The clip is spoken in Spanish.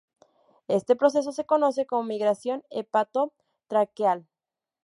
Este proceso se conoce como migración hepato-traqueal.